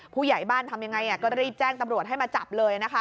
ผู้ใหญ่บ้านทำยังไงก็รีบแจ้งตำรวจให้มาจับเลยนะคะ